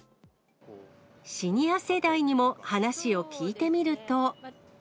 シニア世代にも話を聞いてみると。